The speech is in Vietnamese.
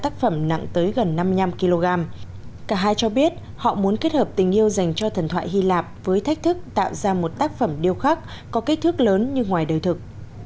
cả hai cho biết họ muốn kết hợp tình yêu dành cho thần thoại hy lạp với thách thức tạo ra một tác phẩm điêu khắc có kích thước lớn như ngoài đời thực